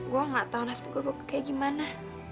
gue gak tau nas buk buk kayak gimana